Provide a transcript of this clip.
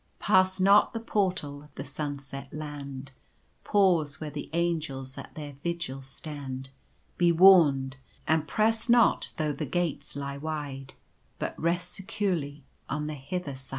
" Pass not the Portal of the Sunset Land ! Pause where the Angels at their vigil stand. Be warned ! and press not though the gates lie wide, But rest securely on the hither side.